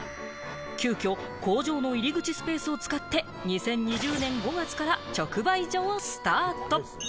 急きょ、工場の入り口スペースを使って、２０２０年５月から直売所をスタート。